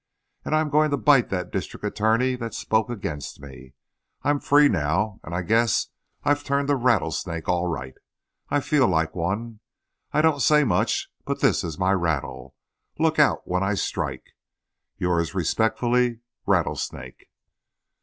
And I'm going to bite that district attorney that spoke against me. I'm free now, and I guess I've turned to rattlesnake all right. I feel like one. I don't say much, but this is my rattle. Look out when I strike. Yours respectfully, RATTLESNAKE.